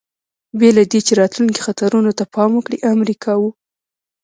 بې له دې، چې راتلونکو خطرونو ته پام وکړي، امر یې کاوه.